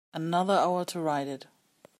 Another hour to write it.